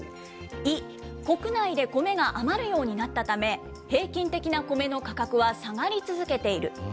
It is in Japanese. イ、国内で米が余るようになったため、平均的な米の価格は下がり続けている。